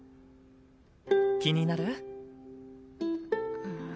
気になる？